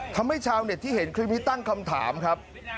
ทำให้ชาวเน็ตที่เห็นคลิปนี้ตั้งคำถามครับ